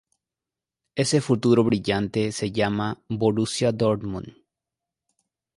Ese futuro brillante se llama Borussia Dortmund.